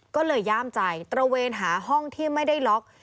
ก็เลยย่ามใจตระเวนหาห้องที่ไม่ได้ล็อก